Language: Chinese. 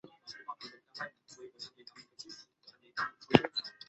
该市的干线网络大部分是由双线道路组成。